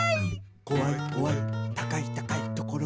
「こわいこわい高い高いところ」